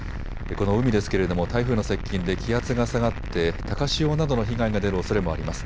この海ですけれども、台風の接近で気圧が下がって、高潮などの被害が出るおそれもあります。